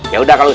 ya udah kalau